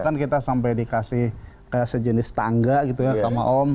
kan kita sampai dikasih kayak sejenis tangga gitu ya sama om